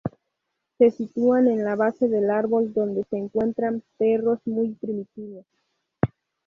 Se sitúan en la base del árbol, donde se encuentran perros muy primitivos.